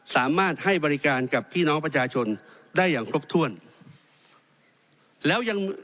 สามารถให้บริการกับพี่น้องประชาชนได้อย่างครบถ้วนแล้วยัง